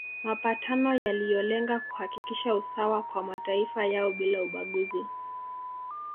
Mapatano yaliyolenga kuhakikisha usawa kwa mataifa yao bila ubaguzi